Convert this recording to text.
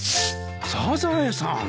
サザエさん。